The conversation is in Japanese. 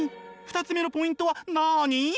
２つ目のポイントは何？